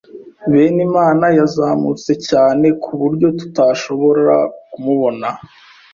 Benimana yazamutse cyane ku buryo tutashoboraga kumubona.